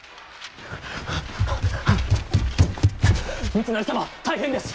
三成様大変です！